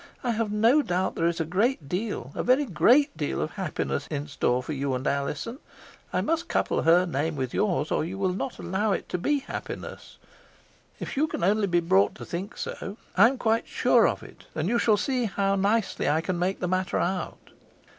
I have no doubt there is a great deal, a very great deal, of happiness in store for you and Alizon I must couple her name with yours, or you will not allow it to be happiness if you can only be brought to think so. I am quite sure of it; and you shall see how nicely I can make the matter out.